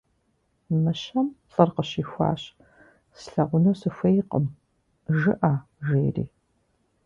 Мыщэм лӏыр къыщихуащ: - «Слъагъуну сыхуейкъым» жыӏэ, - жери.